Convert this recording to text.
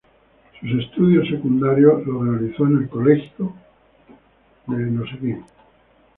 Sus estudios secundarios los realizó en el Colegio San Ignacio.